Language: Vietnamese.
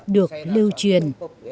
được lưu truyền